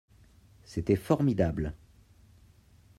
C'était formidable.